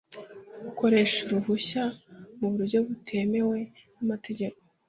ukoresha uruhushya mu buryo butemewe n’amategeko